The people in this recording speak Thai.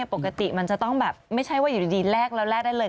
ปกติมันจะต้องแบบไม่ใช่ว่าอยู่ดีแลกแล้วแลกได้เลย